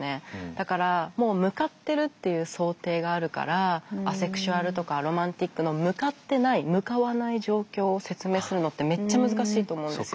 だからもう向かってるっていう想定があるからアセクシュアルとかアロマンティックの向かってない向かわない状況を説明するのってめっちゃ難しいと思うんですよ。